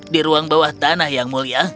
di ruang bawah tanah yang mulia